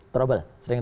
karena apa rusak ya